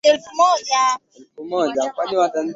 Iwaondolee maovu.